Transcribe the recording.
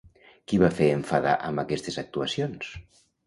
Qui va fer enfadar amb aquestes actuacions?